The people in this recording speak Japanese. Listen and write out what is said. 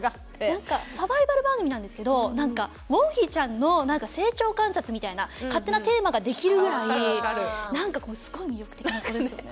なんかサバイバル番組なんですけどウォンヒちゃんの成長観察みたいな勝手なテーマができるぐらいなんかこうすごい魅力的な子ですよね。